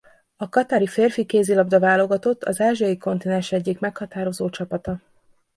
A katari férfi kézilabda-válogatott az ázsiai kontinens egyik meghatározó csapata.